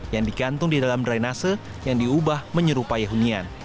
yang digantung di dalam drainase yang diubah menyerupai hunian